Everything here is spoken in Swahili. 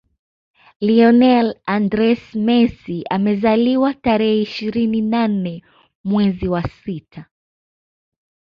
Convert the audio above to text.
Lionel Andres Messi amezaliwa tarehe ishirini na nne mwezi wa sita